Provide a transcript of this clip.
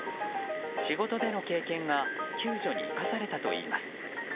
仕事での経験が救助に生かされたといいます。